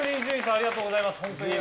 ありがとうございます。